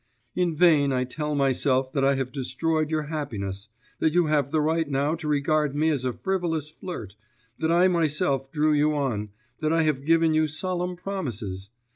In vain I tell myself that I have destroyed your happiness, that you have the right now to regard me as a frivolous flirt, that I myself drew you on, that I have given you solemn promises....